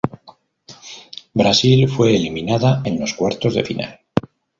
Brasil fue eliminada en los Cuartos de Final.